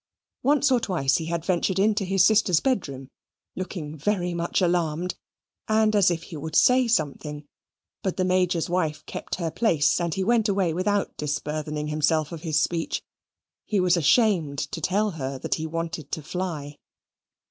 Once or twice he had ventured into his sister's bedroom, looking very much alarmed, and as if he would say something. But the Major's wife kept her place, and he went away without disburthening himself of his speech. He was ashamed to tell her that he wanted to fly.